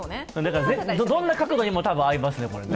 どんな角度にも多分合いますね。